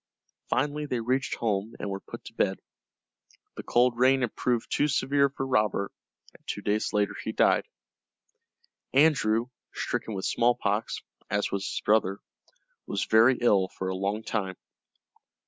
Finally they reached home, and were put to bed. The cold rain had proved too severe for Robert, and two days later he died. Andrew, stricken with smallpox, as was his brother, was very ill for a long time.